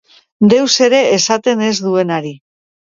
Deus ere esaten ez duenari.